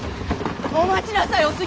お待ちなさいお杉。